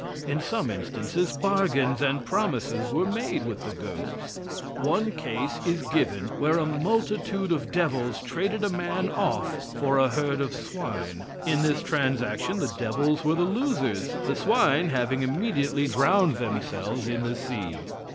In some instances bargains and promises were made with the ghosts. One case is given where a multitude of devils traded a man off for a herd of swine. In this transaction the devils were the losers, the swine having immediately drowned themselves in the sea.